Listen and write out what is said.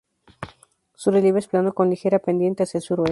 Su relieve es plano con ligera pendiente hacia el suroeste.